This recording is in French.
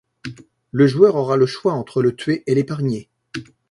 Le joueur aura le choix entre le tuer ou l'épargner.